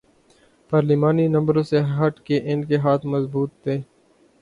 پارلیمانی نمبروں سے ہٹ کے ان کے ہاتھ مضبوط تھے۔